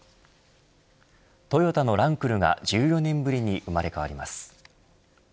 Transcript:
トヨタのランクルが１４年ぶりに生まれ変わります。